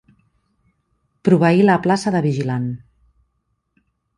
Proveir la plaça de vigilant.